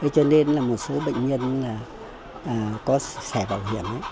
cho nên là một số bệnh nhân có thẻ bảo hiểm